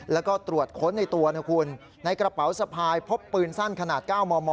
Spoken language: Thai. แล้วก็ตรวจค้นในตัวนะคุณในกระเป๋าสะพายพบปืนสั้นขนาด๙มม